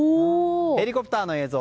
ヘリコプターの映像